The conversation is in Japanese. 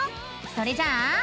それじゃあ。